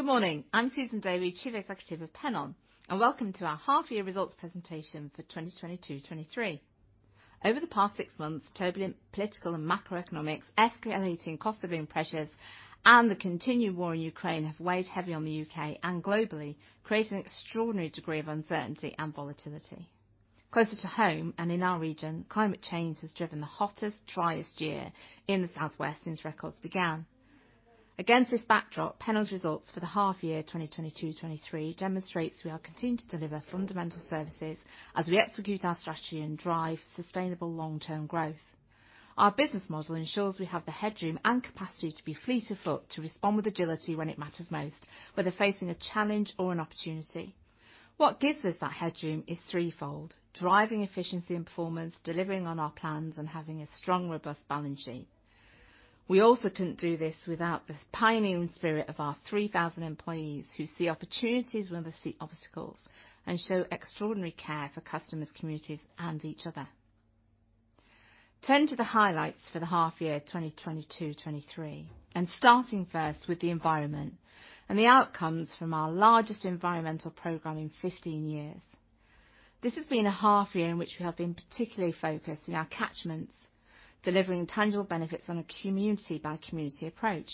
Good morning. I'm Susan Davy, Chief Executive of Pennon, welcome to our Half-Year Results Presentation for 2022/2023. Over the past six months, turbulent political and macroeconomics, escalating cost-of-living pressures, and the continued war in Ukraine have weighed heavy on the U.K. and globally, creating extraordinary degree of uncertainty and volatility. Closer to home and in our region, climate change has driven the hottest, driest year in the South West since records began. Against this backdrop, Pennon's results for the half year 2022/2023 demonstrates we are continuing to deliver fundamental services as we execute our strategy and drive sustainable long-term growth. Our business model ensures we have the headroom and capacity to be fleet of foot, to respond with agility when it matters most, whether facing a challenge or an opportunity. What gives us that headroom is threefold: driving efficiency and performance, delivering on our plans, and having a strong, robust balance sheet. We also couldn't do this without the pioneering spirit of our 3,000 employees who see opportunities where they see obstacles and show extraordinary care for customers, communities, and each other. Turning to the highlights for the half year 2022/2023, starting first with the environment and the outcomes from our largest environmental program in 15 years. This has been a half year in which we have been particularly focused in our catchments, delivering tangible benefits on a community by community approach.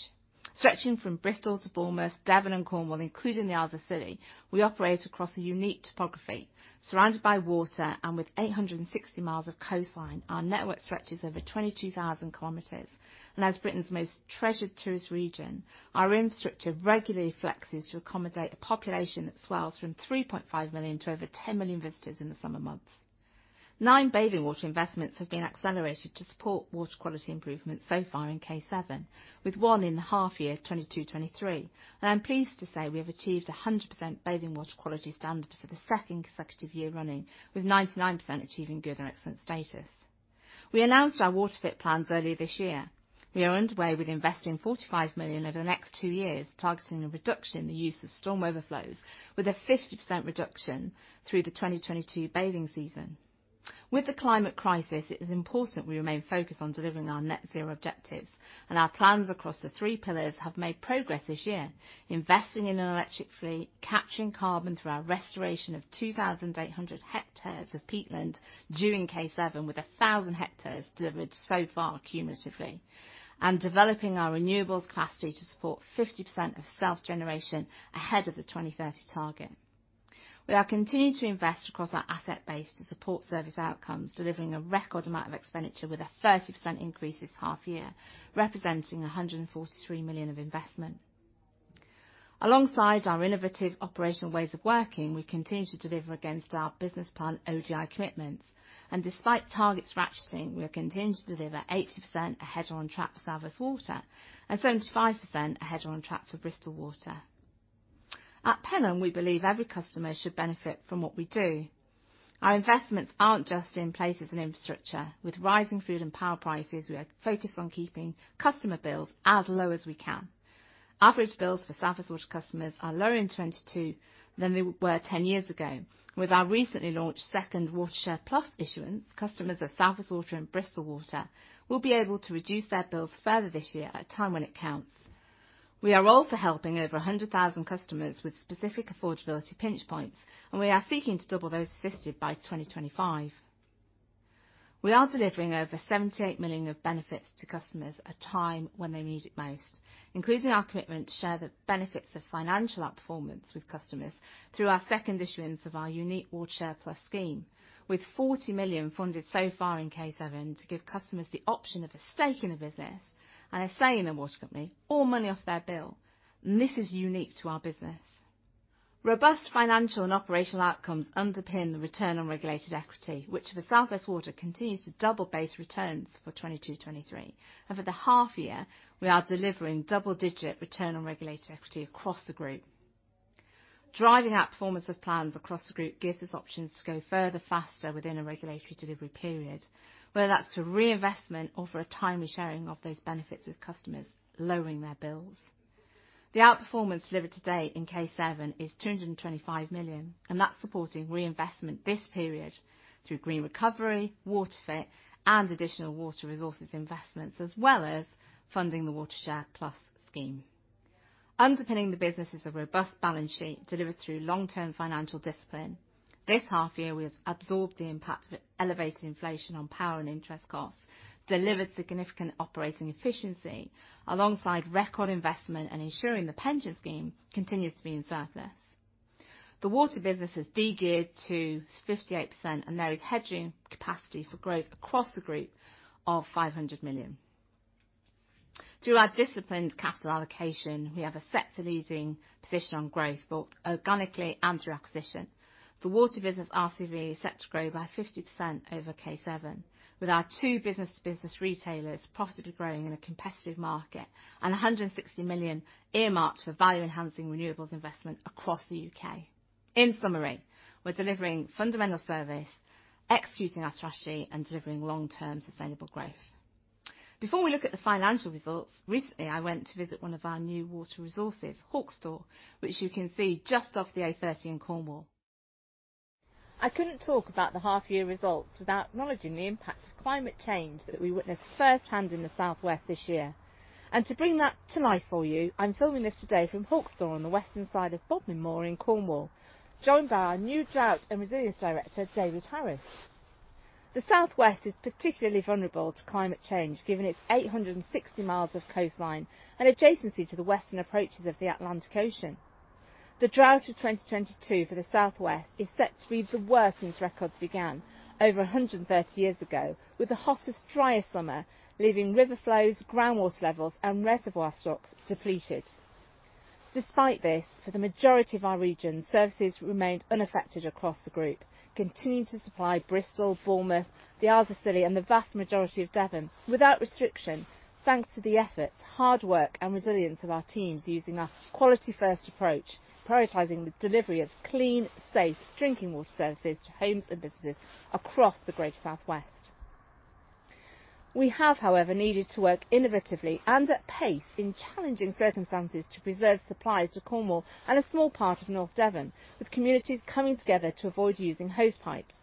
Stretching from Bristol to Bournemouth, Devon and Cornwall, including the Isles of Scilly, we operate across a unique topography, surrounded by water and with 860 miles of coastline. Our network stretches over 22,000 kilometers. As Britain's most treasured tourist region, our infrastructure regularly flexes to accommodate a population that swells from 3.5 million to over 10 million visitors in the summer months. Nine bathing water investments have been accelerated to support water quality improvement so far in K7, with one in the half year 2022/2023. I'm pleased to say we have achieved a 100% bathing water quality standard for the second consecutive year running, with 99% achieving good or excellent status. We announced our WaterFit plans earlier this year. We are underway with investing 45 million over the next two years, targeting a reduction in the use of storm weather flows with a 50% reduction through the 2022 bathing season. With the climate crisis, it is important we remain focused on delivering our net zero objectives, and our plans across the three pillars have made progress this year. Investing in an electric fleet, capturing carbon through our restoration of 2,800 hectares of peatland during K7, with 1,000 hectares delivered so far cumulatively, and developing our renewables capacity to support 50% of self-generation ahead of the 2030 target. We are continuing to invest across our asset base to support service outcomes, delivering a record amount of expenditure with a 30% increase this half year, representing 143 million of investment. Alongside our innovative operational ways of working, we continue to deliver against our business plan ODI commitments, and despite targets ratcheting, we are continuing to deliver 80% ahead or on track for South West Water and 75% ahead or on track for Bristol Water. At Pennon, we believe every customer should benefit from what we do. Our investments aren't just in places and infrastructure. With rising food and power prices, we are focused on keeping customer bills as low as we can. Average bills for South West Water customers are lower in 2022 than they were 10 years ago. With our recently launched second WaterShare+ issuance, customers of South West Water and Bristol Water will be able to reduce their bills further this year at a time when it counts. We are also helping over 100,000 customers with specific affordability pinch points. We are seeking to double those assisted by 2025. We are delivering over 78 million of benefits to customers at time when they need it most, including our commitment to share the benefits of financial outperformance with customers through our second issuance of our unique WaterShare+ scheme. With 40 million funded so far in K7 to give customers the option of a stake in the business and a say in the water company or money off their bill. This is unique to our business. Robust financial and operational outcomes underpin the Return on Regulated Equity, which for South West Water continues to double base returns for 2022/2023. For the half year, we are delivering double-digit Return on Regulated Equity across the group. Driving outperformance of plans across the group gives us options to go further, faster within a regulatory delivery period, whether that's for reinvestment or for a timely sharing of those benefits with customers, lowering their bills. The outperformance delivered to date in K7 is 225 million, that's supporting reinvestment this period through Green Recovery, WaterFit, and additional water resources investments, as well as funding the WaterShare+ scheme. Underpinning the business is a robust balance sheet delivered through long-term financial discipline. This half year, we have absorbed the impact of elevated inflation on power and interest costs, delivered significant operating efficiency alongside record investment and ensuring the pension scheme continues to be in surplus. The water business has de-geared to 58% there is hedging capacity for growth across the group of 500 million. Through our disciplined capital allocation, we have a sector-leading position on growth, both organically and through acquisition. The water business RCV is set to grow by 50% over K7, with our two business-to-business retailers profitably growing in a competitive market and 160 million earmarked for value enhancing renewables investment across the U.K. We're delivering fundamental service, executing our strategy, and delivering long-term sustainable growth. Before we look at the financial results, recently, I went to visit one of our new water resources, Hawks Tor, which you can see just off the A30 in Cornwall. I couldn't talk about the half-year results without acknowledging the impact of climate change that we witnessed firsthand in the South West this year. To bring that to life for you, I'm filming this today from Hawks Tor on the western side of Bodmin Moor in Cornwall, joined by our new Drought and Resilience Director, David Harris. The southwest is particularly vulnerable to climate change, given its 860 miles of coastline and adjacency to the western approaches of the Atlantic Ocean. The drought of 2022 for the southwest is set to be the worst since records began over 130 years ago, with the hottest, driest summer, leaving river flows, groundwater levels, and reservoir stocks depleted. Despite this, for the majority of our region, services remained unaffected across the Group, continuing to supply Bristol, Bournemouth, the Isles of Scilly, and the vast majority of Devon without restriction, thanks to the efforts, hard work, and resilience of our teams using a quality-first approach, prioritizing the delivery of clean, safe drinking water services to homes and businesses across the greater southwest. We have, however, needed to work innovatively and at pace in challenging circumstances to preserve supplies to Cornwall and a small part of North Devon, with communities coming together to avoid using hose pipes.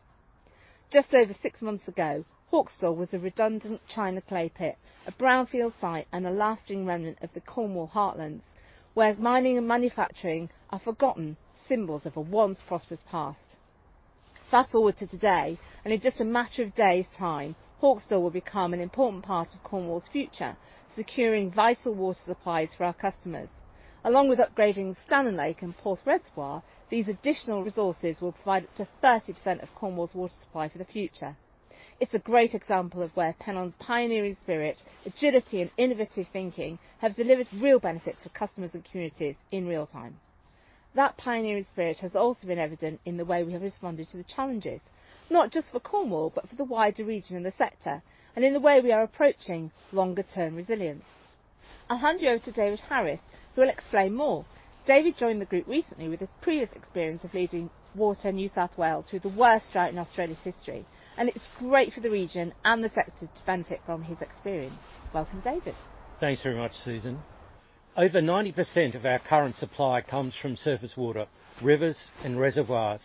Just over six months ago, Hawks Tor was a redundant china clay pit, a brownfield site, and a lasting remnant of the Cornwall heartlands, where mining and manufacturing are forgotten symbols of a once prosperous past. Fast forward to today, in just a matter of days' time, Hawks Tor will become an important part of Cornwall's future, securing vital water supplies for our customers. Along with upgrading Stannon Lake and Porth Reservoir, these additional resources will provide up to 30% of Cornwall's water supply for the future. It's a great example of where Pennon's pioneering spirit, agility, and innovative thinking have delivered real benefits for customers and communities in real time. That pioneering spirit has also been evident in the way we have responded to the challenges, not just for Cornwall, but for the wider region and the sector, and in the way we are approaching longer-term resilience. I'll hand you over to David Harris, who will explain more. David joined the group recently with his previous experience of leading WaterNSW through the worst drought in Australia's history. It's great for the region and the sector to benefit from his experience. Welcome, David. Thanks very much, Susan. Over 90% of our current supply comes from surface water, rivers and reservoirs.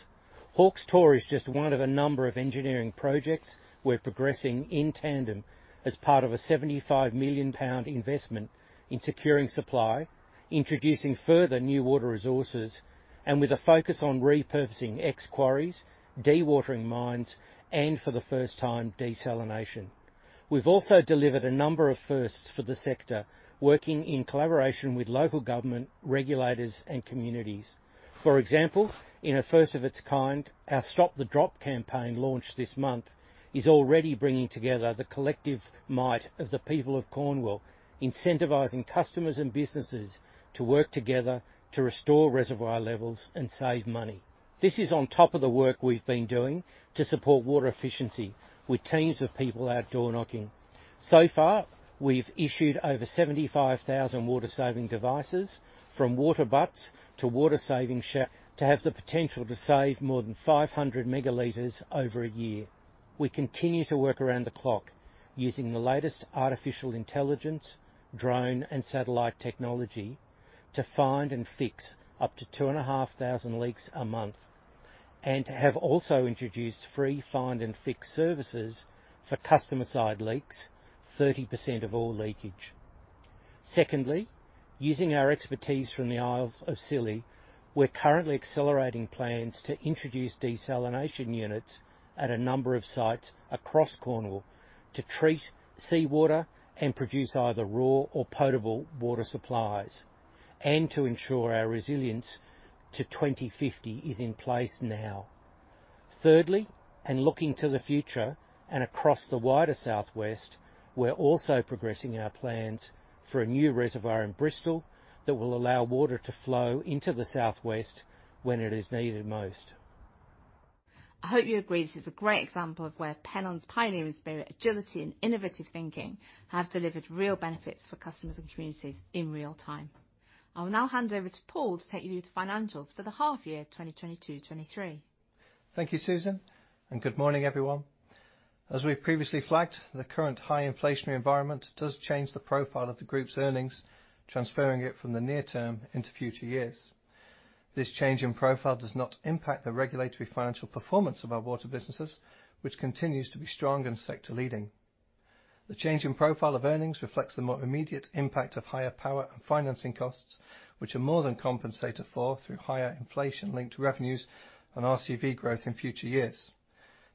Hawks Tor is just one of a number of engineering projects we're progressing in tandem as part of a 75 million pound investment in securing supply, introducing further new water resources, and with a focus on repurposing ex-quarries, dewatering mines, and for the first time, desalination. We've also delivered a number of firsts for the sector, working in collaboration with local government, regulators, and communities. For example, in a first of its kind, our Stop the Drop campaign launched this month is already bringing together the collective might of the people of Cornwall, incentivizing customers and businesses to work together to restore reservoir levels and save money. This is on top of the work we've been doing to support water efficiency with teams of people out door-knocking. We've issued over 75,000 water-saving devices from water butts to have the potential to save more than 500 megaliters over a year. We continue to work around the clock using the latest artificial intelligence, drone, and satellite technology to find and fix up to 2,500 leaks a month, and have also introduced free find and fix services for customer-side leaks, 30% of all leakage. Secondly, using our expertise from the Isles of Scilly, we're currently accelerating plans to introduce desalination units at a number of sites across Cornwall to treat seawater and produce either raw or potable water supplies, and to ensure our resilience to 2050 is in place now. Thirdly, looking to the future and across the wider South West, we're also progressing our plans for a new reservoir in Bristol that will allow water to flow into the South West when it is needed most. I hope you agree this is a great example of where Pennon's pioneering spirit, agility, and innovative thinking have delivered real benefits for customers and communities in real time. I will now hand over to Paul to take you through the financials for the half year 2022, 2023. Thank you, Susan. Good morning, everyone. As we've previously flagged, the current high inflationary environment does change the profile of the group's earnings, transferring it from the near term into future years. This change in profile does not impact the regulatory financial performance of our water businesses, which continues to be strong and sector-leading. The change in profile of earnings reflects the more immediate impact of higher power and financing costs, which are more than compensated for through higher inflation linked to revenues and RCV growth in future years.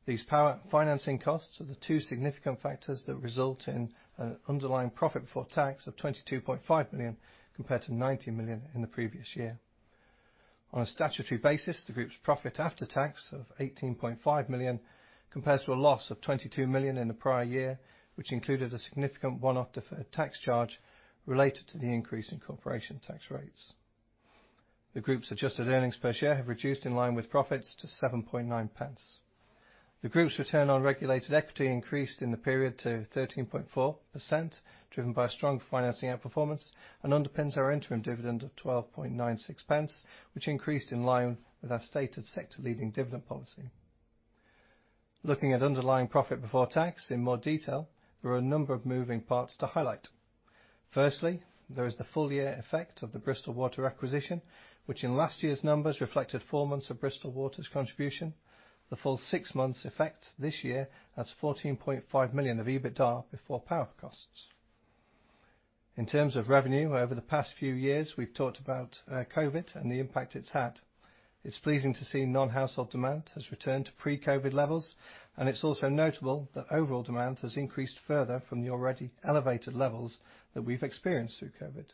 These power and financing costs are the two significant factors that result in an underlying profit before tax of 22.5 million, compared to 90 million in the previous year. On a statutory basis, the group's profit after tax of 18.5 million compares to a loss of 22 million in the prior year, which included a significant one-off deferred tax charge related to the increase in corporation tax rates. The group's adjusted earnings per share have reduced in line with profits to 7.9 pence. The group's Return on Regulated Equity increased in the period to 13.4%, driven by strong financing outperformance, and underpins our interim dividend of 12.96 pence, which increased in line with our stated sector-leading dividend policy. Looking at underlying profit before tax in more detail, there are a number of moving parts to highlight. Firstly, there is the full year effect of the Bristol Water acquisition, which in last year's numbers reflected four months of Bristol Water's contribution. The full six months effect this year adds 14.5 million of EBITDA before power costs. In terms of revenue, over the past few years, we've talked about COVID and the impact it's had. It's pleasing to see non-household demand has returned to pre-COVID levels, and it's also notable that overall demand has increased further from the already elevated levels that we've experienced through COVID.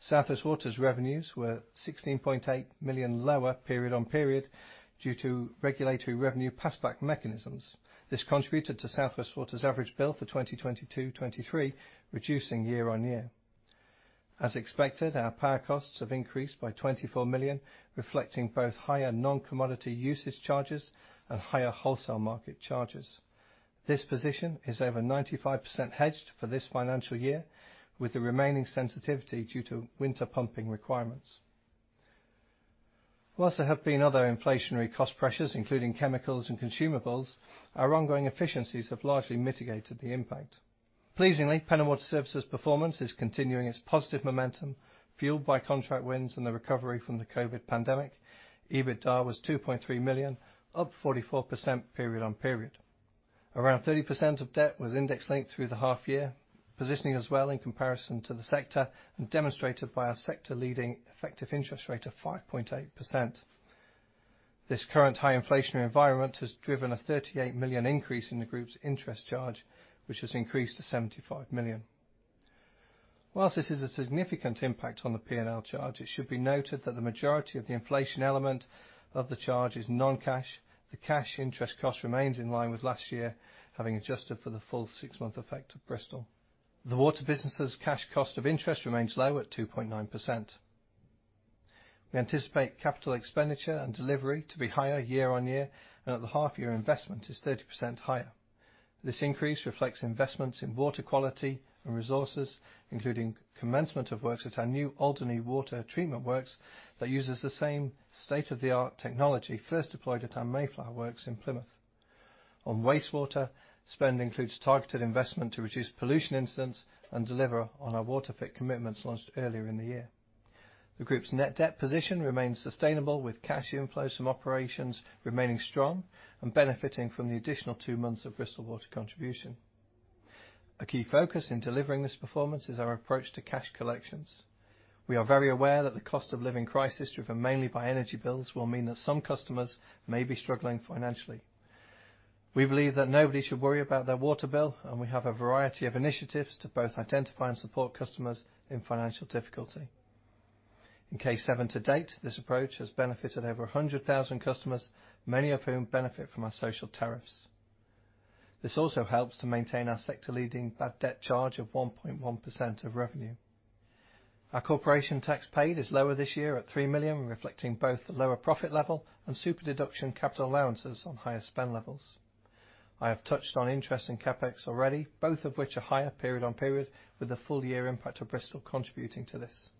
South West Water's revenues were 16.8 million lower period on period due to regulatory revenue passback mechanisms. This contributed to South West Water's average bill for 2022, 2023, reducing year-on-year. As expected, our power costs have increased by 24 million, reflecting both higher non-commodity usage charges and higher wholesale market charges. This position is over 95% hedged for this financial year, with the remaining sensitivity due to winter pumping requirements. Whilst there have been other inflationary cost pressures, including chemicals and consumables, our ongoing efficiencies have largely mitigated the impact. Pleasingly, Pennon Water Services' performance is continuing its positive momentum, fueled by contract wins and the recovery from the COVID pandemic. EBITDA was 2.3 million, up 44% period on period. Around 30% of debt was index-linked through the half year, positioning us well in comparison to the sector and demonstrated by our sector-leading effective interest rate of 5.8%. This current high inflationary environment has driven a 38 million increase in the group's interest charge, which has increased to 75 million. Whilst this is a significant impact on the P&L charge, it should be noted that the majority of the inflation element of the charge is non-cash. The cash interest cost remains in line with last year, having adjusted for the full six-month effect of Bristol Water. The water business's cash cost of interest remains low at 2.9%. We anticipate capital expenditure and delivery to be higher year-over-year, and at the half year investment is 30% higher. This increase reflects investments in water quality and resources, including commencement of works at our new Alderney Water Treatment Works that uses the same state-of-the-art technology first deployed at our Mayflower works in Plymouth. On wastewater, spend includes targeted investment to reduce pollution incidents and deliver on our WaterFit commitments launched earlier in the year. The group's net debt position remains sustainable, with cash inflows from operations remaining strong and benefiting from the additional two months of Bristol Water contribution. A key focus in delivering this performance is our approach to cash collections. We are very aware that the cost of living crisis, driven mainly by energy bills, will mean that some customers may be struggling financially. We believe that nobody should worry about their water bill, and we have a variety of initiatives to both identify and support customers in financial difficulty. In K7 to date, this approach has benefited over 100,000 customers, many of whom benefit from our social tariffs. This also helps to maintain our sector-leading bad debt charge of 1.1% of revenue. Our corporation tax paid is lower this year at 3 million, reflecting both the lower profit level and super-deduction capital allowances on higher spend levels. I have touched on interest in CapEx already, both of which are higher period on period, with the full year impact of Bristol contributing to this.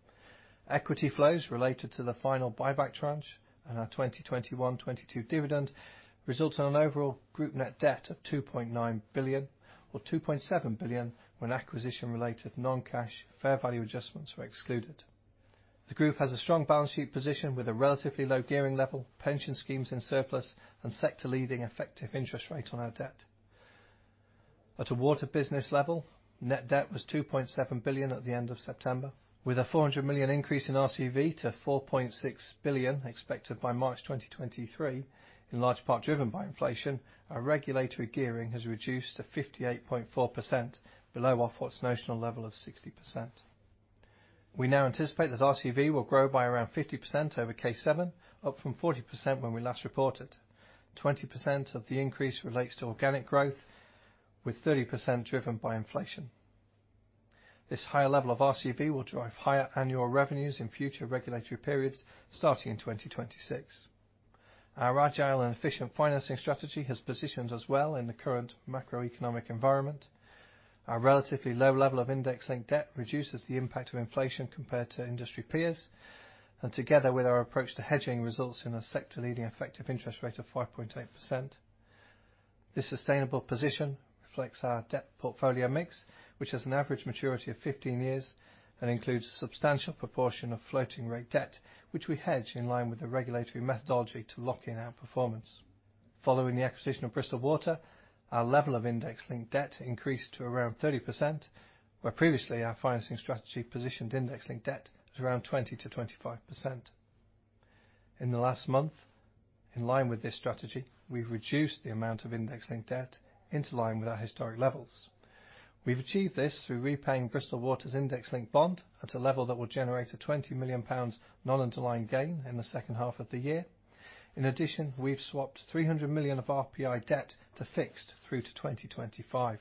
Equity flows related to the final buyback tranche and our 2021, 2022 dividend result in an overall group net debt of 2.9 billion or 2.7 billion when acquisition-related non-cash fair value adjustments were excluded. The group has a strong balance sheet position with a relatively low gearing level, pension schemes in surplus, and sector-leading effective interest rate on our debt. At a water business level, net debt was 2.7 billion at the end of September, with a 400 million increase in RCV to 4.6 billion expected by March 2023, in large part driven by inflation. Our regulatory gearing has reduced to 58.4% below Ofwat's notional level of 60%. We now anticipate that RCV will grow by around 50% over K7, up from 40% when we last reported. 20% of the increase relates to organic growth, with 30% driven by inflation. This higher level of RCV will drive higher annual revenues in future regulatory periods starting in 2026. Our agile and efficient financing strategy has positioned us well in the current macroeconomic environment. Our relatively low level of index-linked debt reduces the impact of inflation compared to industry peers, and together with our approach to hedging, results in a sector-leading effective interest rate of 5.8%. This sustainable position reflects our debt portfolio mix, which has an average maturity of 15 years and includes a substantial proportion of floating rate debt, which we hedge in line with the regulatory methodology to lock in our performance. Following the acquisition of Bristol Water, our level of index-linked debt increased to around 30%, where previously our financing strategy positioned index-linked debt at around 20%-25%. In the last month, in line with this strategy, we've reduced the amount of index-linked debt into line with our historic levels. We've achieved this through repaying Bristol Water's index-linked bond at a level that will generate a 20 million pounds non-underlying gain in the second half of the year. In addition, we've swapped 300 million of RPI debt to fixed through to 2025.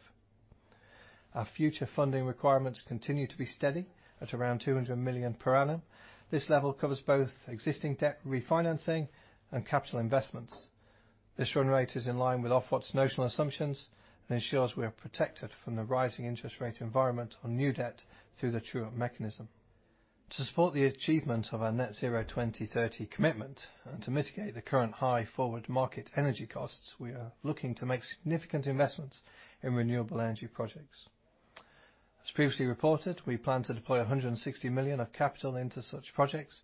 Our future funding requirements continue to be steady at around 200 million per annum. This level covers both existing debt refinancing and capital investments. This run rate is in line with Ofwat's notional assumptions and ensures we are protected from the rising interest rate environment on new debt through the true-up mechanism. To support the achievement of our Net Zero 2030 commitment and to mitigate the current high forward market energy costs, we are looking to make significant investments in renewable energy projects. As previously reported, we plan to deploy 160 million of capital into such projects,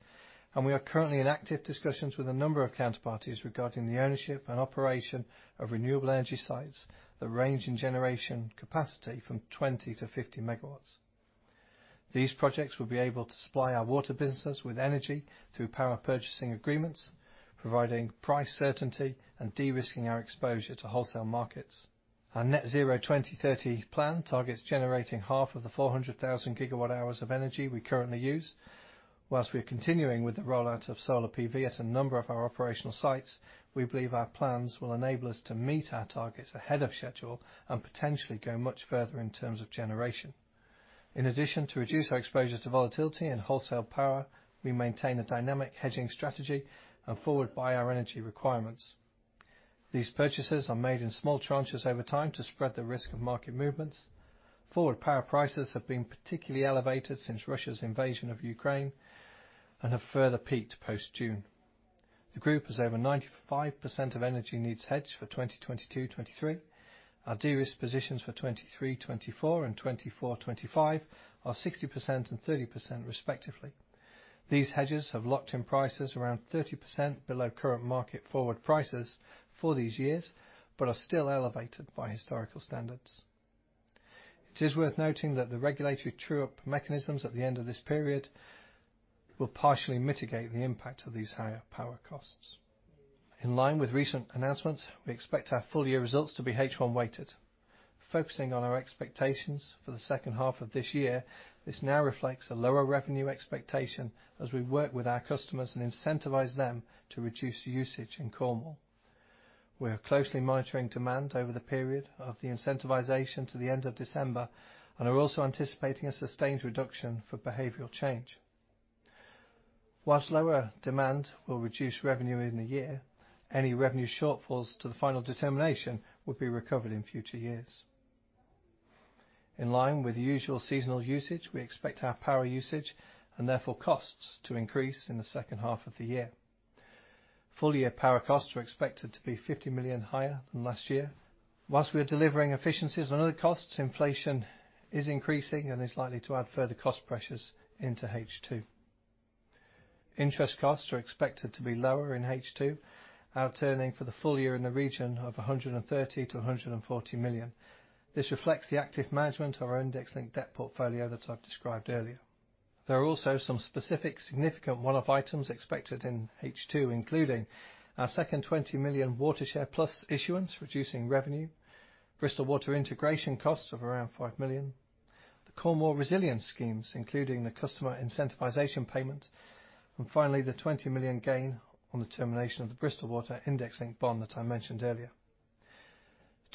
and we are currently in active discussions with a number of counterparties regarding the ownership and operation of renewable energy sites that range in generation capacity from 20-50 megawatts. These projects will be able to supply our water business with energy through power purchase agreements, providing price certainty and de-risking our exposure to wholesale markets. Our Net Zero 2030 plan targets generating half of the 400,000 gigawatt hours of energy we currently use. Whilst we are continuing with the rollout of solar PV at a number of our operational sites, we believe our plans will enable us to meet our targets ahead of schedule and potentially go much further in terms of generation. In addition, to reduce our exposure to volatility and wholesale power, we maintain a dynamic hedging strategy and forward buy our energy requirements. These purchases are made in small tranches over time to spread the risk of market movements. Forward power prices have been particularly elevated since Russia's invasion of Ukraine and have further peaked post June. The group has over 95% of energy needs hedged for 2022, 2023. Our de-risked positions for 2023, 2024 and 2024, 2025 are 60% and 30% respectively. These hedges have locked in prices around 30% below current market forward prices for these years, but are still elevated by historical standards. It is worth noting that the regulatory true-up mechanisms at the end of this period will partially mitigate the impact of these higher power costs. In line with recent announcements, we expect our full year results to be H1 weighted. Focusing on our expectations for the second half of this year, this now reflects a lower revenue expectation as we work with our customers and incentivize them to reduce usage in Cornwall. We are closely monitoring demand over the period of the incentivization to the end of December and are also anticipating a sustained reduction for behavioral change. Whilst lower demand will reduce revenue in a year, any revenue shortfalls to the final determination will be recovered in future years. In line with usual seasonal usage, we expect our power usage and therefore costs to increase in the second half of the year. Full year power costs are expected to be 50 million higher than last year. Whilst we are delivering efficiencies on other costs, inflation is increasing and is likely to add further cost pressures into H2. Interest costs are expected to be lower in H2, out-turning for the full year in the region of 130 million-140 million. This reflects the active management of our index-linked debt portfolio that I've described earlier. There are also some specific significant one-off items expected in H2, including our second 20 million WaterShare+ issuance, reducing revenue, Bristol Water integration costs of around 5 million, the Cornwall Resilience Schemes, including the customer incentivization payment, and finally, the 20 million gain on the termination of the Bristol Water index-linked bond that I mentioned earlier.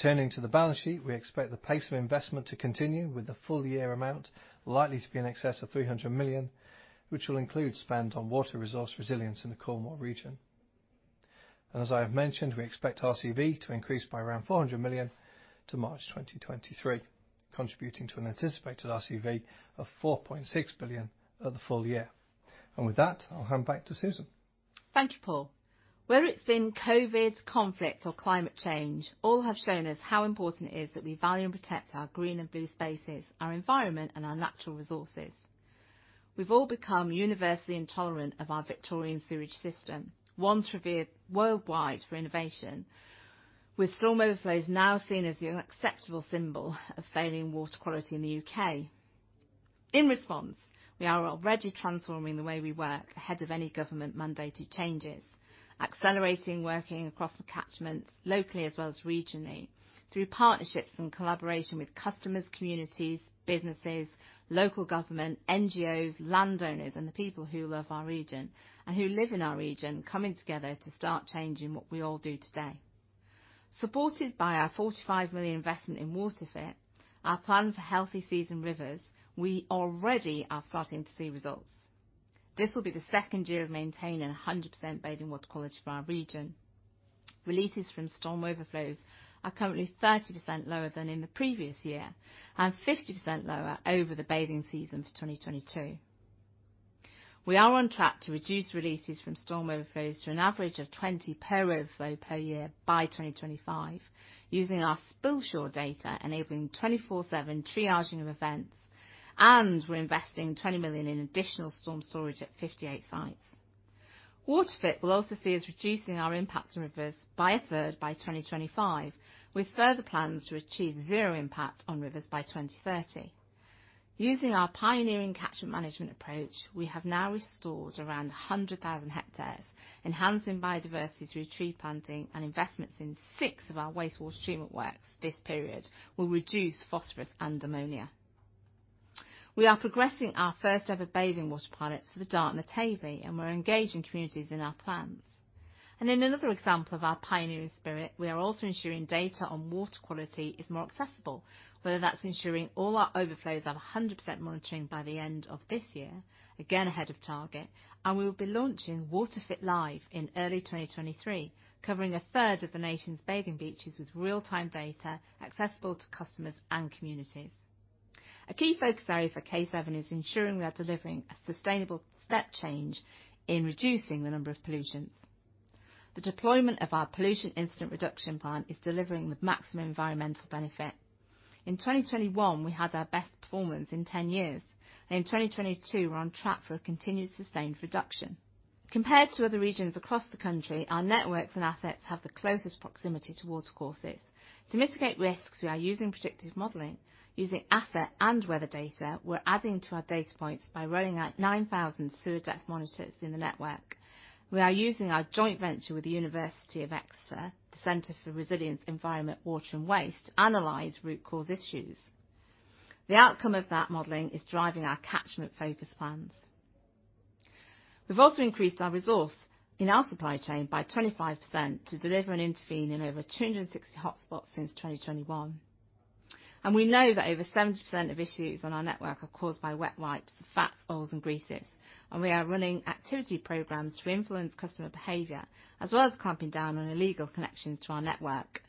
Turning to the balance sheet, we expect the pace of investment to continue with the full year amount likely to be in excess of 300 million, which will include spend on water resource resilience in the Cornwall region. As I have mentioned, we expect RCV to increase by around 400 million to March 2023, contributing to an anticipated RCV of 4.6 billion of the full year. With that, I'll hand back to Susan. Thank you, Paul. Whether it's been COVID, conflict, or climate change, all have shown us how important it is that we value and protect our green and blue spaces, our environment, and our natural resources. We've all become universally intolerant of our Victorian sewage system, once revered worldwide for innovation, with storm overflows now seen as the unacceptable symbol of failing water quality in the U.K. In response, we are already transforming the way we work ahead of any government mandated changes, accelerating working across the catchments locally as well as regionally through partnerships and collaboration with customers, communities, businesses, local government, NGOs, landowners, and the people who love our region and who live in our region, coming together to start changing what we all do today. Supported by our 45 million investment in WaterFit, our plan for healthy seas and rivers, we already are starting to see results. This will be the second year of maintaining 100% bathing water quality for our region. Releases from storm overflows are currently 30% lower than in the previous year and 50% lower over the bathing season for 2022. We are on track to reduce releases from storm overflows to an average of 20 per overflow per year by 2025 using our spill data, enabling 24/7 triaging of events. We're investing 20 million in additional storm storage at 58 sites. WaterFit will also see us reducing our impact on rivers by a third by 2025, with further plans to achieve zero impact on rivers by 2030. Using our pioneering catchment management approach, we have now restored around 100,000 hectares, enhancing biodiversity through tree planting and investments in six of our wastewater treatment works this period will reduce phosphorus and ammonia. We are progressing our first-ever bathing water pilot for the Dart and the Tavy, and we're engaging communities in our plans. In another example of our pioneering spirit, we are also ensuring data on water quality is more accessible, whether that's ensuring all our overflows have 100% monitoring by the end of this year, again ahead of target, and we will be launching WaterFit Live in early 2023, covering a third of the nation's bathing beaches with real-time data accessible to customers and communities. A key focus area for K7 is ensuring we are delivering a sustainable step change in reducing the number of pollutants. The deployment of our pollution incident reduction plan is delivering the maximum environmental benefit. In 2021, we had our best performance in 10 years. In 2022, we're on track for a continued sustained reduction. Compared to other regions across the country, our networks and assets have the closest proximity to water courses. To mitigate risks, we are using predictive modeling. Using asset and weather data, we're adding to our data points by rolling out 9,000 sewer depth monitors in the network. We are using our joint venture with the University of Exeter, the Centre for Resilience Environment, Water and Waste, to analyze root cause issues. The outcome of that modeling is driving our catchment focus plans. We've also increased our resource in our supply chain by 25% to deliver and intervene in over 260 hotspots since 2021. We know that over 70% of issues on our network are caused by wet wipes, fats, oils, and greases, and we are running activity programs to influence customer behavior, as well as clamping down on illegal connections to our network.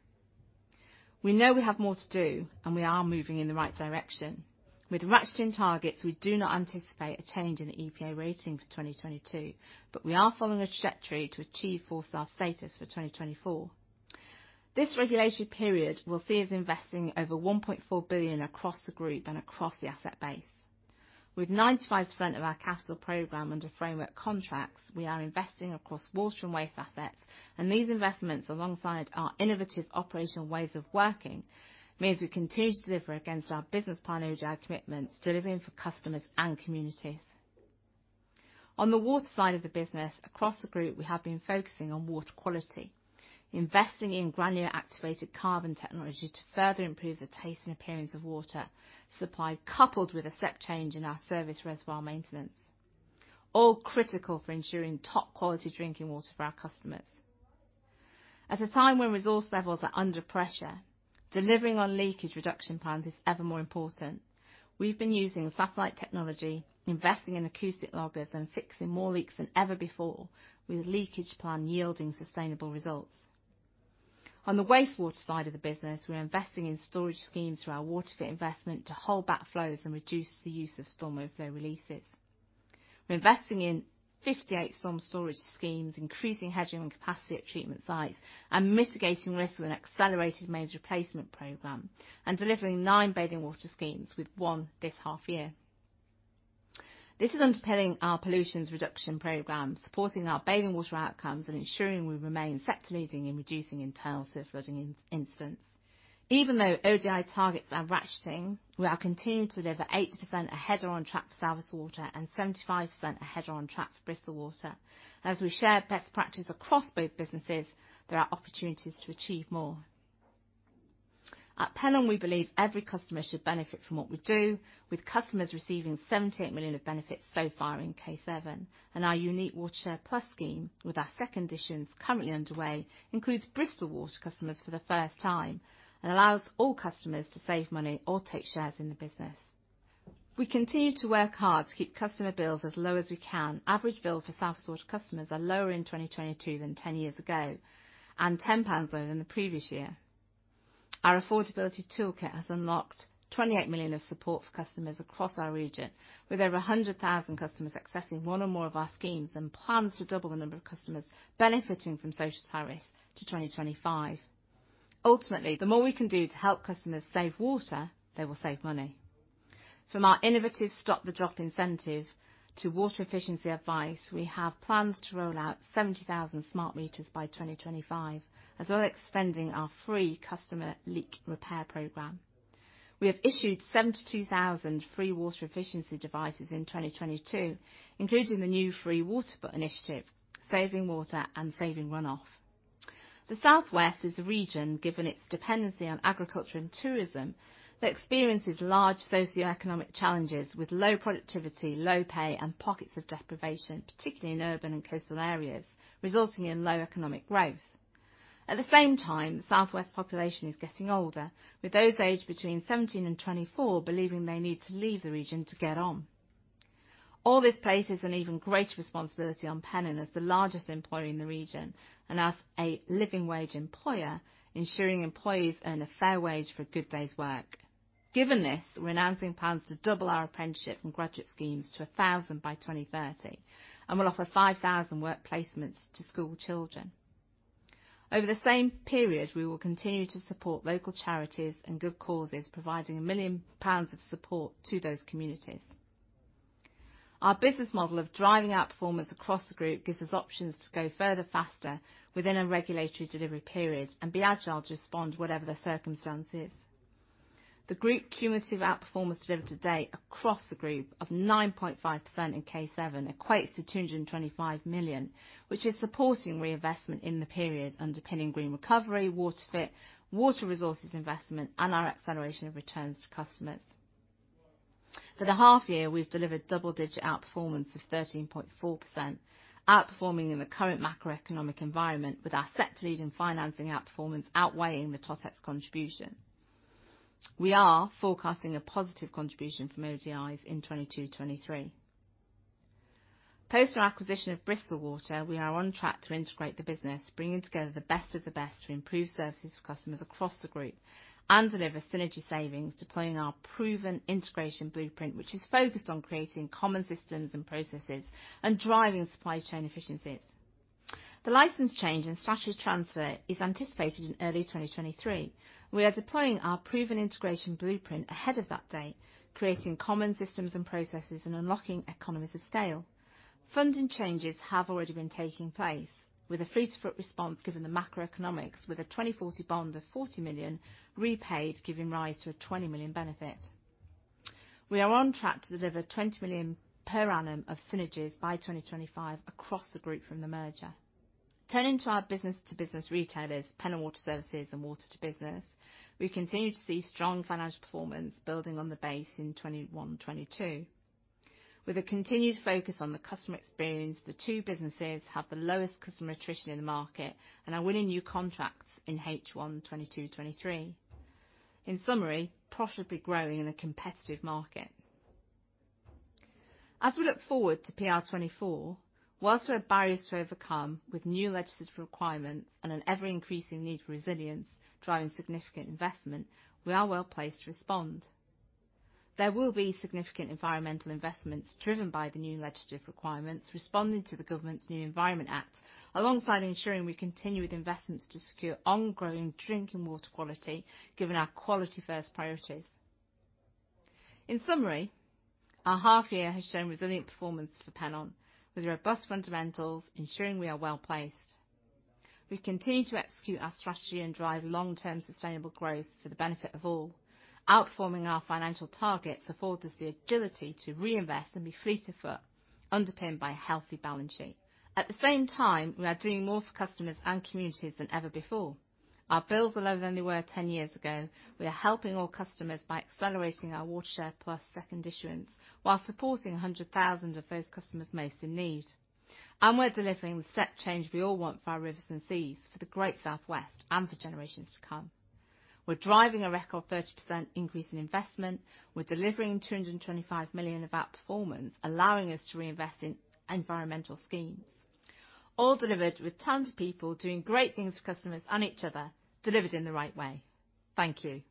We know we have more to do, and we are moving in the right direction. With ratcheting targets, we do not anticipate a change in the EPA rating for 2022, but we are following a trajectory to achieve four-star status for 2024. This regulatory period will see us investing over 1.4 billion across the group and across the asset base. With 95% of our capital program under framework contracts, we are investing across water and waste assets, and these investments, alongside our innovative operational ways of working, means we continue to deliver against our business plan ODI commitments, delivering for customers and communities. On the water side of the business, across the group, we have been focusing on water quality, investing in granular activated carbon technology to further improve the taste and appearance of water supply, coupled with a step change in our service reservoir maintenance, all critical for ensuring top-quality drinking water for our customers. At a time when resource levels are under pressure, delivering on leakage reduction plans is ever more important. We've been using satellite technology, investing in acoustic loggers, and fixing more leaks than ever before, with a leakage plan yielding sustainable results. On the wastewater side of the business, we're investing in storage schemes through our WaterFit investment to hold back flows and reduce the use of storm overflow releases. We're investing in 58 storm storage schemes, increasing hedging and capacity at treatment sites, and mitigating risk with an accelerated mains replacement program, and delivering nine bathing water schemes with one this half year. This is underpinning our pollutions reduction program, supporting our bathing water outcomes, and ensuring we remain sector leading in reducing internal sewer flooding in, instance. Even though ODI targets are ratcheting, we are continuing to deliver 80% ahead or on track for South West Water and 75% ahead or on track for Bristol Water. As we share best practice across both businesses, there are opportunities to achieve more. At Pennon, we believe every customer should benefit from what we do, with customers receiving 78 million of benefits so far in K7. Our unique WaterShare+ scheme, with our second editions currently underway, includes Bristol Water customers for the first time and allows all customers to save money or take shares in the business. We continue to work hard to keep customer bills as low as we can. Average bills for South West Water customers are lower in 2022 than 10 years ago and 10 pounds lower than the previous year. Our affordability toolkit has unlocked 28 million of support for customers across our region, with over 100,000 customers accessing one or more of our schemes and plans to double the number of customers benefiting from social tariffs to 2025. Ultimately, the more we can do to help customers save water, they will save money. From our innovative Stop the Drop incentive to water efficiency advice, we have plans to roll out 70,000 smart meters by 2025, as well as extending our free customer leak repair program. We have issued 72,000 free water efficiency devices in 2022, including the new free water butt initiative, saving water and saving runoff. The Southwest is a region, given its dependency on agriculture and tourism, that experiences large socioeconomic challenges with low productivity, low pay, and pockets of deprivation, particularly in urban and coastal areas, resulting in low economic growth. At the same time, the Southwest population is getting older, with those aged between 17 and 24 believing they need to leave the region to get on. All this places an even greater responsibility on Pennon as the largest employer in the region and as a living wage employer, ensuring employees earn a fair wage for a good day's work. Given this, we're announcing plans to double our apprenticeship and graduate schemes to 1,000 by 2030 and will offer 5,000 work placements to school children. Over the same period, we will continue to support local charities and good causes, providing 1 million pounds of support to those communities. Our business model of driving outperformance across the group gives us options to go further, faster within a regulatory delivery period and be agile to respond whatever the circumstances. The group cumulative outperformance delivered to date across the group of 9.5% in K7 equates to 225 million, which is supporting reinvestment in the period underpinning Green Recovery, WaterFit, water resources investment, and our acceleration of returns to customers. For the half year, we've delivered double-digit outperformance of 13.4%, outperforming in the current macroeconomic environment with our sector-leading financing outperformance outweighing the Totex contribution. We are forecasting a positive contribution from ODIs in 2022, 2023. Post our acquisition of Bristol Water, we are on track to integrate the business, bringing together the best of the best to improve services for customers across the group and deliver synergy savings, deploying our proven integration blueprint, which is focused on creating common systems and processes and driving supply chain efficiencies. The license change and statutory transfer is anticipated in early 2023. We are deploying our proven integration blueprint ahead of that date, creating common systems and processes and unlocking economies of scale. Funding changes have already been taking place, with a fleet of foot response given the macroeconomics with a 2040 bond of 40 million repaid, giving rise to a 20 million benefit. We are on track to deliver 20 million per annum of synergies by 2025 across the group from the merger. Turning to our business-to-business retailers, Pennon Water Services and water2business, we continue to see strong financial performance building on the base in 2021-2022. With a continued focus on the customer experience, the two businesses have the lowest customer attrition in the market and are winning new contracts in H1 2022-2023. In summary, profitably growing in a competitive market. As we look forward to PR24, whilst we have barriers to overcome with new legislative requirements and an ever-increasing need for resilience driving significant investment, we are well placed to respond. There will be significant environmental investments driven by the new legislative requirements, responding to the government's new Environment Act, alongside ensuring we continue with investments to secure ongoing drinking water quality, given our quality-first priorities. In summary, our half year has shown resilient performance for Pennon, with robust fundamentals ensuring we are well-placed. We continue to execute our strategy and drive long-term sustainable growth for the benefit of all. Outforming our financial targets affords us the agility to reinvest and be fleet of foot, underpinned by a healthy balance sheet. At the same time, we are doing more for customers and communities than ever before. Our bills are lower than they were 10 years ago. We are helping our customers by accelerating our WaterShare+ second issuance, while supporting 100,000 of those customers most in need. We're delivering the step change we all want for our rivers and seas, for the Great South West and for generations to come. We're driving a record 30% increase in investment. We're delivering 225 million of outperformance, allowing us to reinvest in environmental schemes. All delivered with tons of people doing great things for customers and each other, delivered in the right way. Thank you.